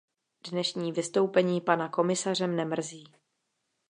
Dnešní vystoupení pana komisaře mne mrzí.